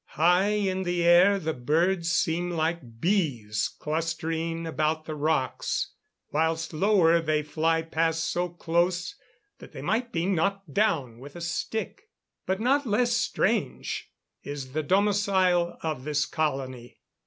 High in the air the birds seem like bees clustering about the rocks, whilst lower they fly past so close that they might be knocked down with a stick. But not less strange is the domicile of this colony.